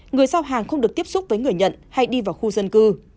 người giao hàng không được tiếp xúc với người nhận hay đi vào khu dân cư